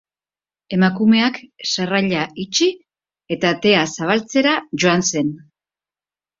Emakumeak sarraila itxi, eta atea zabaltzera joan zen.